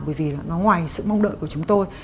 bởi vì là nó ngoài sự mong đợi của chúng tôi